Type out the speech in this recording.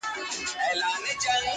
په لوی لاس ځانته کږې کړي سمي لاري.!.!